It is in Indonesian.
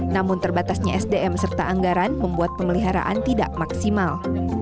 namun terbatasnya sdm serta anggaran membuat pemeliharaan tidak maksimal